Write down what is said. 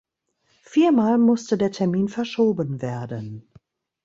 Vier Mal musste der Termin verschoben werden.